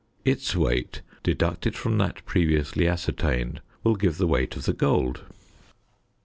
Its weight deducted from that previously ascertained will give the weight of the gold.